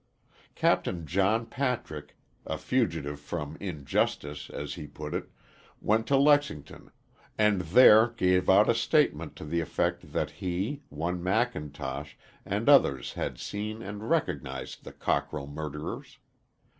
Capt. John Patrick, a fugitive "from injustice," as he put it, went to Lexington and there gave out a statement to the effect that he, one McIntosh and others had seen and recognized the Cockrell murderers.